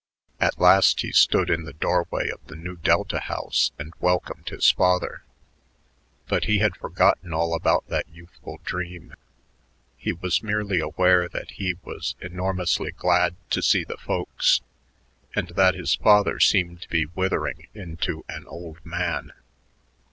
At last he stood in the doorway of the Nu Delta house and welcomed his father, but he had forgotten all about that youthful dream. He was merely aware that he was enormously glad to see the "folks" and that his father seemed to be withering into an old man.